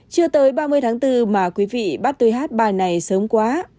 chưa tới ba mươi tháng bốn mà quý vị bắt tôi hát bài này sớm quá